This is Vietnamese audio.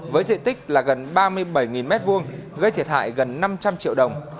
với diện tích là gần ba mươi bảy m hai gây thiệt hại gần năm trăm linh triệu đồng